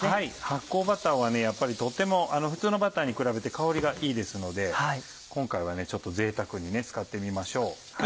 発酵バターはやっぱりとても普通のバターに比べて香りがいいですので今回はぜいたくに使ってみましょう。